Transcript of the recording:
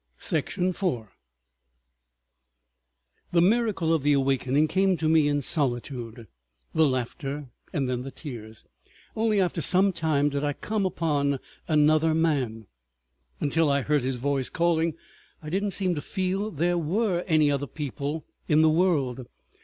§ 4 The miracle of the awakening came to me in solitude, the laughter, and then the tears. Only after some time did I come upon another man. Until I heard his voice calling I did not seem to feel there were any other people in the world.